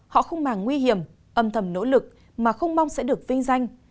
họ không màng nguy hiểm âm thầm nỗ lực mà không mong sẽ được vinh danh